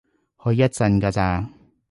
去一陣㗎咋